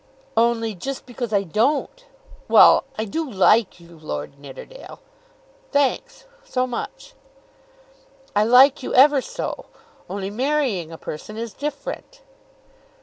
"Only, just because I don't. Well; I do like you, Lord Nidderdale." "Thanks; so much!" "I like you ever so, only marrying a person is different."